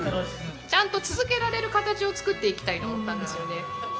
ちゃんと続けられる形を作っていきたいと思ったんですよね。